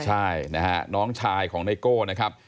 ใช่นะฮะน้องชายของไนโก้นะครับ